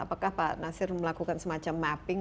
apakah pak nasir melakukan semacam mapping